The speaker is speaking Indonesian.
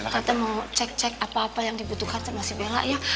tante mau cek cek apa apa yang dibutuhkan sama si bella ya